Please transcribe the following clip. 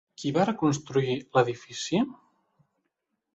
Qui va reconstruir l'edifici?